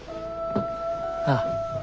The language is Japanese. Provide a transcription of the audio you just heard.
ああ。